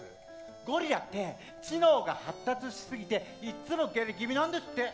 ゴリラって知能が発達しすぎていっつも下痢気味なんですって。